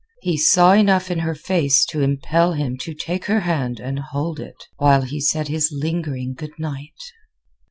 He saw enough in her face to impel him to take her hand and hold it while he said his lingering good night.